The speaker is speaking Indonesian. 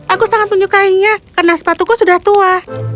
aku sangat menyukainya karena sepatuku sudah tua